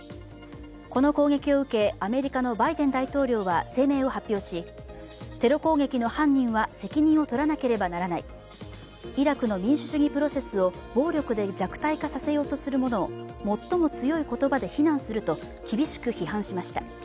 この攻撃を受け、アメリカのバイデン大統領は声明を発表しテロ攻撃の犯人は責任を取らなければならない、イラクの民主主義プロセスを暴力で弱体化させようとするものを最も強い言葉で非難すると厳しく批判しました。